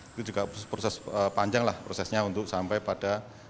itu juga proses panjang lah prosesnya untuk sampai pada